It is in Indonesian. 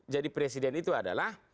jadi presiden itu adalah